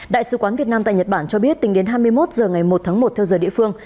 đại sứ quán việt nam tại nhật bản cho biết tính đến hai mươi một h ngày một tháng một theo giờ địa phương